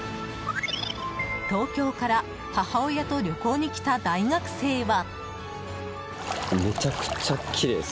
東京から母親と旅行に来た大学生は。